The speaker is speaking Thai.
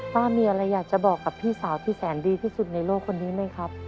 ป้ามีอะไรอยากจะบอกกับพี่สาวที่แสนดีที่สุดในโลกคนนี้ไหมครับ